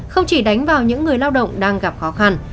không chỉ đánh vào những người lao động đang gặp khó khăn